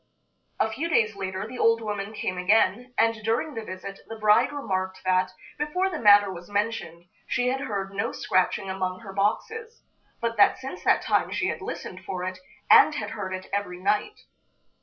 A few days later the old woman came again, and during the visit the bride remarked that, before the matter was mentioned, she had heard no scratching among her boxes, but that since that time she had listened for it, and had heard it every night.